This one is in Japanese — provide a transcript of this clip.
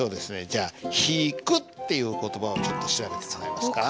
じゃあ「引く」っていう言葉をちょっと調べてくれますか？